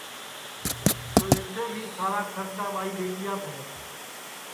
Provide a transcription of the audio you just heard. تو اَیٹھے بھی سارا کھرچا ٻائی ٻیٹیاپ ہے